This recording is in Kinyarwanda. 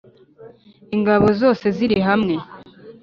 Ingabo zose zirihamwe .